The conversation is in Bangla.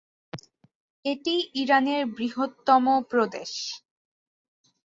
এটি ইরানের বৃহত্তম প্রদেশ।